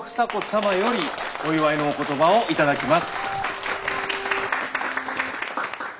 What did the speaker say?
様よりお祝いのお言葉を頂きます。